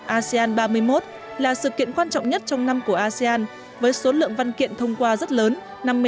asean ba mươi một là sự kiện quan trọng nhất trong năm của asean với số lượng văn kiện thông qua rất lớn